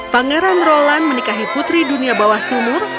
pangeran roland menikahi putri dunia bawah sumur